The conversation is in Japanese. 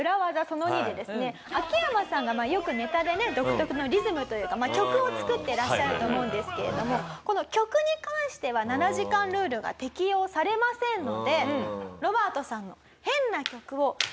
その２でですね秋山さんがよくネタでね独特のリズムというか曲を作ってらっしゃると思うんですけれどもこの曲に関しては７時間ルールが適用されませんので。